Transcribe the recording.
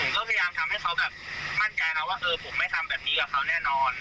ก็พยายามทำให้เขาแบบมั่นใจนะว่าเออผมไม่ทำแบบนี้กับเขาแน่นอน